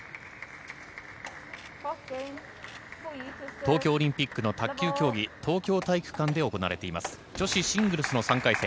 東京オリンピックの卓球競技、東京体育館で行われています女子シングルスの３回戦。